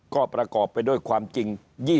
ก็ประกอบไปด้วยความจริง